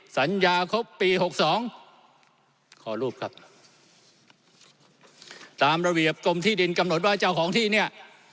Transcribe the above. สัญญาครบปีหกสองขอรูปครับตามระเบียบกรมที่ดินกำหนดว่าเจ้าของที่เนี่ย